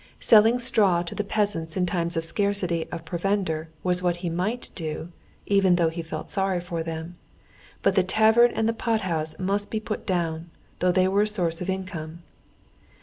Selling straw to the peasants in times of scarcity of provender was what he might do, even though he felt sorry for them; but the tavern and the pothouse must be put down, though they were a source of income.